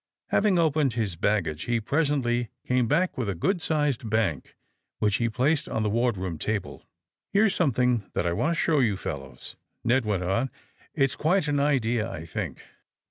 Having opened his bag gage he presently came back with a good sized bank which he placed on the ward room table. Here's something that I want to show you fellows," Ned went on. It's quite an idea, I think.